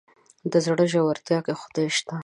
د زړه ژورتيا کې خدای شته.